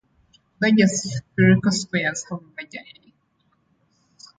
Larger spherical squares have larger angles.